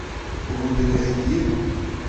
o vont da gregiñ emañ.